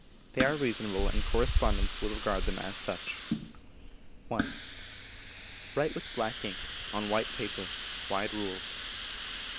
They are reasonable, and correspondents will regard them as such: i. write with black ink, on white paper, wide ruled.